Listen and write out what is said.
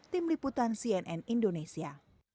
tim liputan cnn indonesia